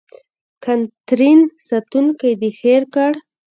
کاترین: ساتونکی دې هېر کړ.